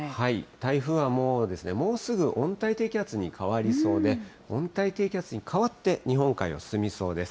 台風はもう、もうすぐ温帯低気圧に変わりそうで、温帯低気圧に変わって、日本海を進みそうです。